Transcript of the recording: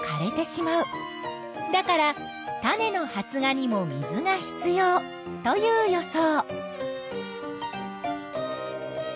だから種の発芽にも水が必要という予想。